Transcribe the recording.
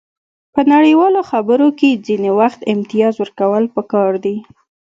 په نړیوالو خبرو کې ځینې وخت امتیاز ورکول پکار دي